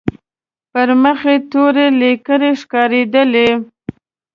پر مخ يې تورې ليکې ښکارېدلې.